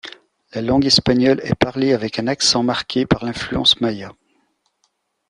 La langue espagnole est parlée avec un accent marqué par l'influence Maya.